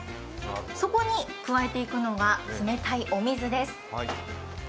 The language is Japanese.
そこに加えていくのが冷たいお水です。